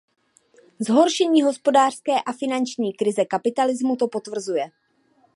Zhoršení hospodářské a finanční krize kapitalismu to potvrzuje.